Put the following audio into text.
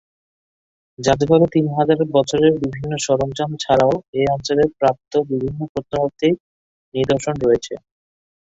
জাদুঘরে তিন হাজার বছরের বিভিন্ন সরঞ্জাম ছাড়াও এ অঞ্চলে প্রাপ্ত বিভিন্ন প্রত্নতাত্ত্বিক নিদর্শন রয়েছে।